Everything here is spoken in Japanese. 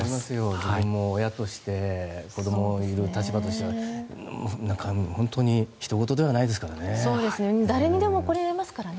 自分も親として子供がいる立場としては本当にひとごとではないですからね。